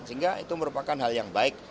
sehingga itu merupakan hal yang baik